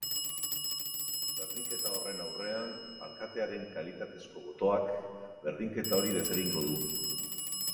Berdinketa horren aurrean, alkatearen kalitatezko botoak berdinketa hori desegingo du.